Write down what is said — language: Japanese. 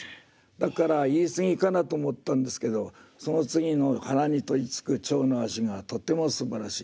だから言いすぎかなと思ったんですけどその次の「花に取りつく蝶の足」がとてもすばらしい。